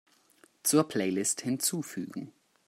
Zur Playlist hinzufügen.